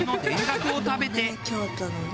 京都のね。